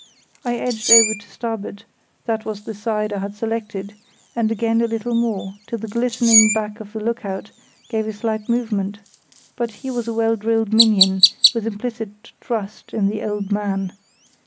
I edged over to starboard—that was the side I had selected—and again a little more, till the glistening back of the look out gave a slight movement; but he was a well drilled minion, with implicit trust in the "old man".